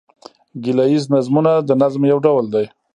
ګيله ييز نظمونه د نظم یو ډول دﺉ.